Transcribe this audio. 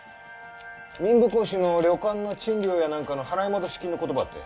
民部公子の旅館の賃料やなんかの払い戻し金のことばってん。